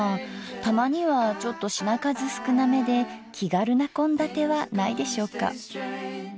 たまにはちょっと品数少なめで気軽な献立はないでしょうか？